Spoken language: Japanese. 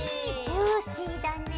ジューシーだね。